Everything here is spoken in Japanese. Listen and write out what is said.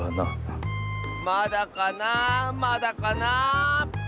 まだかなまだかな。